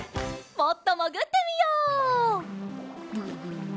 もっともぐってみよう。